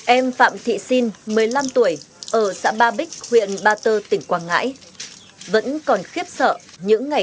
em phạm thị sinh một mươi năm tuổi ở xã ba bích huyện ba tơ tỉnh quảng ngãi vẫn còn khiếp sợ những ngày